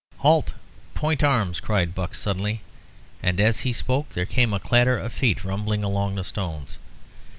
"Halt point arms!" cried Buck, suddenly, and as he spoke there came a clatter of feet tumbling along the stones.